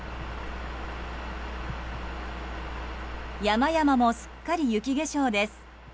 山々も、すっかり雪化粧です。